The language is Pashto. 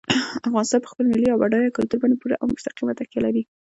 افغانستان په خپل ملي او بډایه کلتور باندې پوره او مستقیمه تکیه لري.